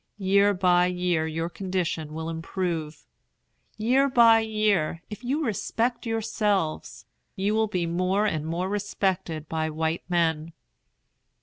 Year by year your condition will improve. Year by year, if you respect yourselves, you will be more and more respected by white men.